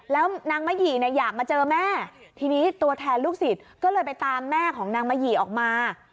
แล้วนางมะหยี่เนี่ยอยากมาเจอแม่ทีนี้ตัวแทนลูกศิษย์ก็เลยไปตามแม่ของนางมะหยี่ออกมา